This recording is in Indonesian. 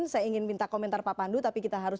saya ingin minta komentar pak pandu tapi kita harus